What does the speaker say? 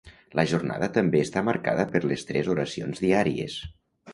La jornada també està marcada per les tres oracions diàries.